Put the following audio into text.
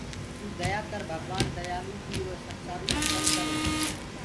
تو ديآ ڀگوآن ديآلو تو ايرو سنسآرو اُتپن ڪروئي